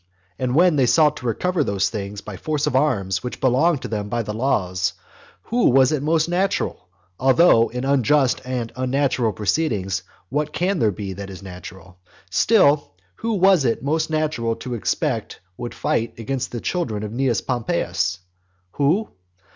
And when they sought to recover those things by force of arms which belonged to them by the laws, who was it most natural (although in unjust and unnatural proceedings what can there be that is natural?) still, who was it most natural to expect would fight against the children of Cnaeus Pompeius? Who?